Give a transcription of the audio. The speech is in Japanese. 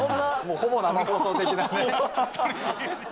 ほぼ生放送的なね。